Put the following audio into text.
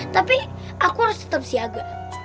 tapi aku harus tetap siaga